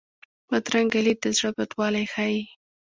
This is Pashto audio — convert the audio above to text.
بدرنګه لید د زړه بدوالی ښيي